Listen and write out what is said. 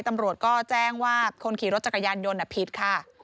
ตำรวจก็แจ้งว่าคนขี่รถจักรยานยนต์ผิดค่ะ